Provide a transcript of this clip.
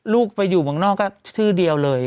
ลูกไปอยู่เมืองนอกก็ชื่อเดียวเลย